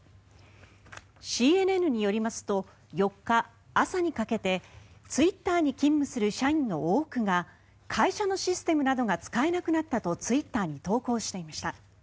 ＣＮＮによりますと４日朝にかけてツイッターに勤務する社員の多くが会社のシステムなどが使えなくなったとツイッターに投稿していました。